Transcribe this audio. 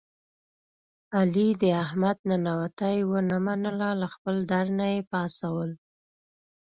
علي د احمد ننواتې و نه منله له خپل در نه یې پا څول.